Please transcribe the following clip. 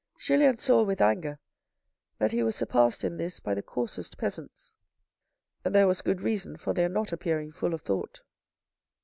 Julien saw with anger that he was surpassed in this by the coarsest peasants. There was good reason for their not appearing full of thought.